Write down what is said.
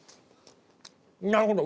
なるほど！